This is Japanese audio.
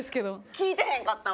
聞いてへんかったわ。